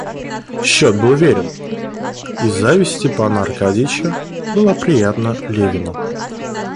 Счет был верен, и зависть Степана Аркадьича была приятна Левину.